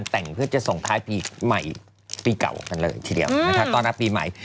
แต่งเพื่อจะส่งท้ายปีใหม่ปีเก่ากันเลยทีเดียวนะคะต้อนรับปีใหม่